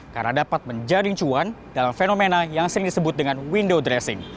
karena dapat menjaring cuan dalam fenomena yang sering disebut dengan window dressing